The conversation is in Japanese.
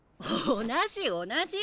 同じ同じ！